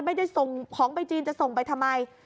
ไม่ได้ส่งของไปจีนจะส่งไปทำไม